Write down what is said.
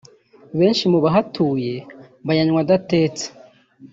Benshi mu bahatuye bayanywa adatetse